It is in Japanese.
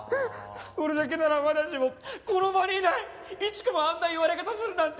俺だけならまだしもこの場にいないイチ子もあんな言われ方するなんてよ。